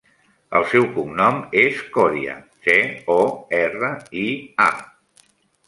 El seu cognom és Coria: ce, o, erra, i, a.